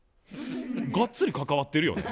がっつり関わってるよね。